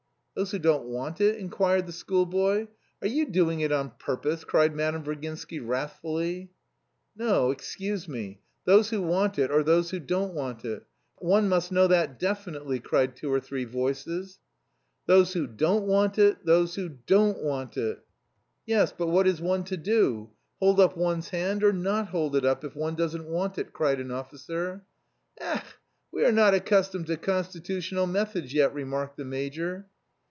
"Those who don't want it?" inquired the schoolboy. "Are you doing it on purpose?" cried Madame Virginsky wrathfully. "No. Excuse me, those who want it, or those who don't want it? For one must know that definitely," cried two or three voices. "Those who don't want it those who don't want it." "Yes, but what is one to do, hold up one's hand or not hold it up if one doesn't want it?" cried an officer. "Ech, we are not accustomed to constitutional methods yet!" remarked the major.